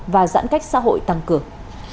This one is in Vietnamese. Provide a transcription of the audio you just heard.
và giãn cách xã hội tăng cường